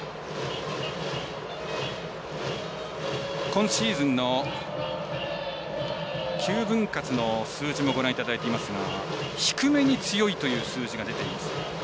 今シーズンの９分割の数字もご覧いただいていますが低めに強いという数字が出ています。